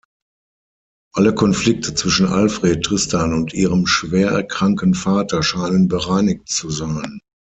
Alle Konflikte zwischen Alfred, Tristan und ihrem schwer kranken Vater scheinen bereinigt zu sein.